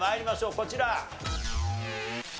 こちら。